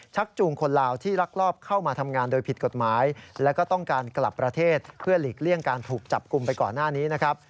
จูงคนลาวที่รักรอบเข้ามาทำงานโดยผิดกฎหมายแล้วก็ต้องการกลับประเทศเพื่อหลีกเลี่ยงการถูกจับกลุ่มไปก่อนหน้านี้นะครับ